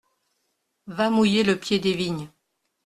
Va mouiller le pied des vignes.